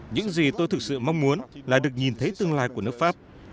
những gì tôi thực sự mong muốn là được nhìn thấy tương lai của nước pháp